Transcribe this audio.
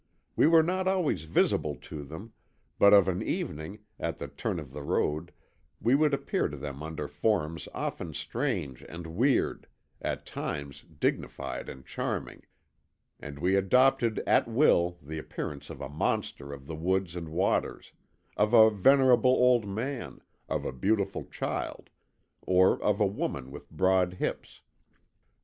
We were not always visible to them, but of an evening, at the turn of the road, we would appear to them under forms often strange and weird, at times dignified and charming, and we adopted at will the appearance of a monster of the woods and waters, of a venerable old man, of a beautiful child, or of a woman with broad hips.